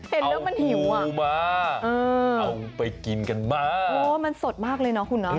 เห็นแล้วมันหิวมาเอาไปกินกันมากโอ้มันสดมากเลยเนาะคุณเนาะ